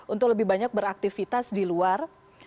untuk lebih banyak beraktivitas di luar